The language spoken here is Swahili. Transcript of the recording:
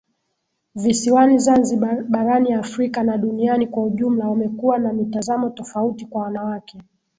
Visiwani Zanzibar Barani Afrika na duniani kwa ujumla wamekuwa na mitazamo tofauti kwa wanawake